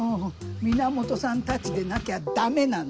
源さんたちでなきゃダメなの。